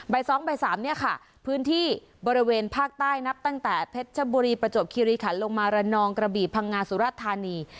๒ใบ๓เนี่ยค่ะพื้นที่บริเวณภาคใต้นับตั้งแต่เพชรชบุรีประจวบคิริขันลงมาระนองกระบีพังงาสุรธานี